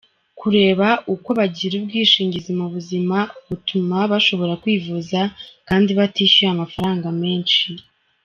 Kureba uko bagira ubwishingizi mu buzima, butuma bashobora kwivuza kandi batishyuye amafaranga menshi.